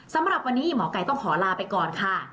สำหรับวันนี้หมอไก่ต้องขอลาไปก่อนค่ะ